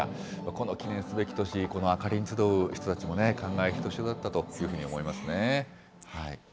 この記念すべき年、この明かりに集う人たちもね、感慨ひとしおだったというふうに思いますね。